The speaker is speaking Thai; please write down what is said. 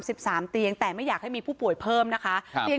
สิบสามเตียงแต่ไม่อยากให้มีผู้ป่วยเพิ่มนะคะครับเตียง